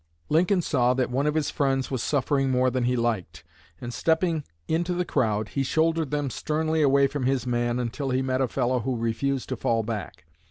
Lincoln saw that one of his friends was suffering more than he liked, and stepping into the crowd he shouldered them sternly away from his man until he met a fellow who refused to fall back.